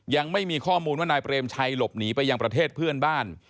ยังไม่มีข้อมูลว่านายเปรมชัยหลบหนีไปยังประเทศเพื่อนบ้าน